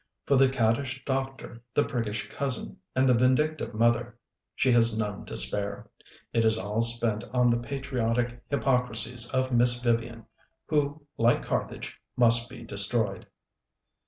For the caddish doctor, the priggish cousin, and the vindictive mother, she has none to spare. It is all spent on the patriotic hypocrisies of Miss Vivian, who, like Carthage, must be destroyed.